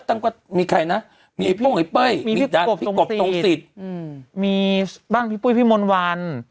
แต่มีใครนะมีไปไปที่บอกต้องฝีมีมือบ้านพี่ปุ้ยพี่มนวร